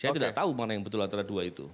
saya tidak tahu mana yang betul antara dua itu